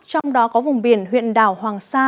trong đó có vùng biển huyện đảo hoàng sa